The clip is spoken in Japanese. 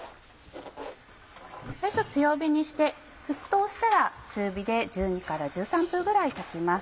最初強火にして沸騰したら中火で１２１３分ぐらい炊きます。